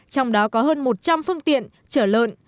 trong đó có hơn một trăm linh phương tiện trở lợn